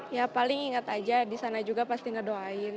ya paling ingat aja di sana juga pasti ngedoain